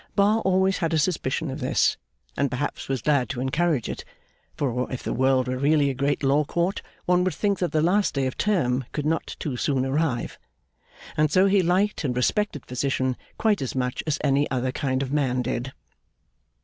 Bar always had a suspicion of this, and perhaps was glad to encourage it (for, if the world were really a great Law Court, one would think that the last day of Term could not too soon arrive); and so he liked and respected Physician quite as much as any other kind of man did.